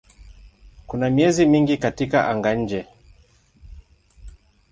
Kuna miezi mingi katika anga-nje.